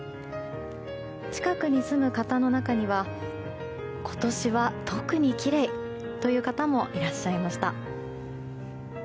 近くに住む方の中には今年は特にきれいという方もいらっしゃいました。